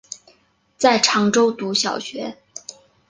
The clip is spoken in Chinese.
在常州读小学。